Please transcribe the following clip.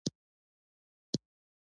یا یې په کومه دنده وګمارئ.